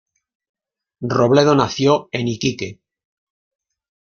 Robledo nació en Iquique.